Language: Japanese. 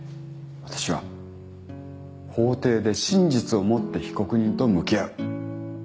私は法廷で真実を持って被告人と向き合う。